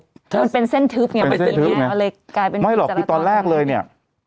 มันเป็นเส้นทึบเนี้ยเป็นเส้นทึบเนี้ยเป็นเส้นทึบเนี้ยเลยกลายเป็นไม่หรอกคือตอนแรกเลยเนี้ย